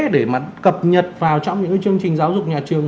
để mà cập nhật vào trong những chương trình giáo dục nhà trường